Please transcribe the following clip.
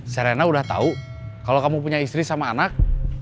serena udah tahu kalau kamu punya istri sama anak